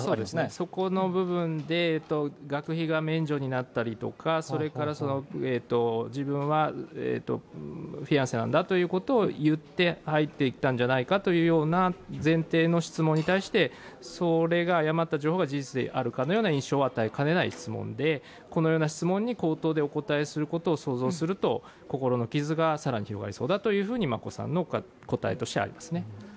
そこの部分で、学費が免除になったりとか、自分はフィアンセなんだということを言って入っていったんじゃないかというような前提の質問に対してそれが誤った情報が事実であるかのような印象を与えかねない質問でこのような質問に口頭でお答えすることを想像すると、心の傷が更に広がりそうだということで眞子さんのお答えとしてありますね。